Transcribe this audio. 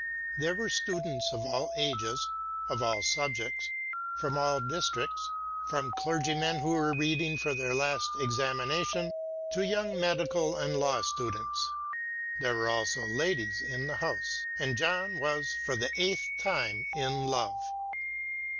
There were students of all ages, of all subjects, and from all districts, from clergymen who were reading for their last examination to young medical and law students. There were also ladies in the house, and John was for the eighth time in love.